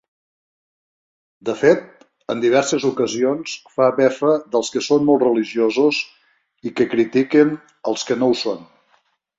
De fet, en diverses ocasions fa befa dels que són molt religiosos i que critiquen els que no ho són.